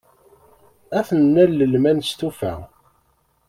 Ad t-nalel ma nestufa.